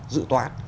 ba dự toán